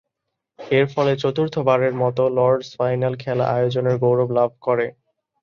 এরফলে চতুর্থবারের মতো Lord's final খেলা আয়োজনের গৌরব লাভ করে।